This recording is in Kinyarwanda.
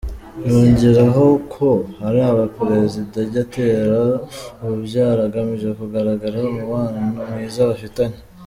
Yongeraho ko hari abaperezida ajya atera ububyara agamije kugaragara umubano mwiza bafitanye.